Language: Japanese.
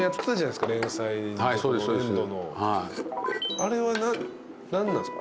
あれは何なんですか？